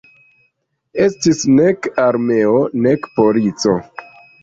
Estis nek armeo nek polico.